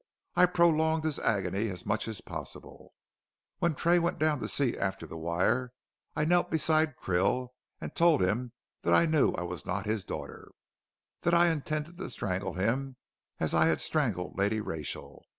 I prolonged his agony as much as possible. When Tray went down to see after the wire, I knelt beside Krill and told him that I knew I was not his daughter, that I intended to strangle him as I had strangled Lady Rachel.